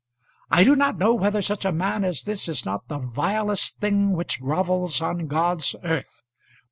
I do not know whether such a man as this is not the vilest thing which grovels on God's earth.